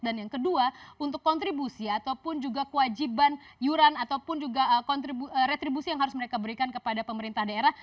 dan yang kedua untuk kontribusi ataupun juga kewajiban yuran ataupun juga retribusi yang harus mereka berikan kepada pemerintah daerah